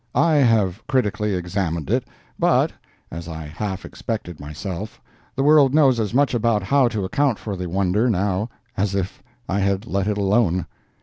I have critically examined it, but, as I half expected myself, the world knows as much about how to account for the wonder now as if I had let it alone.